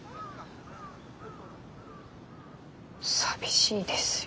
寂しいですよ